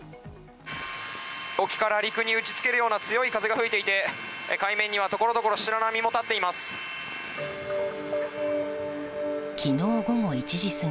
沖から陸に打ち付けるような強い風が吹いていて海面にはところどころ白波も立っています。